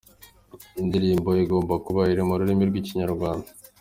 Indirimbo igomba kuba iri mu rurimi rw’ikinyarwanda.